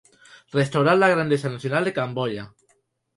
Restaurar la grandeza nacional de Camboya.